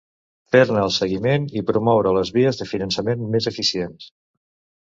Fer-ne el seguiment i promoure les vies de finançament més eficients.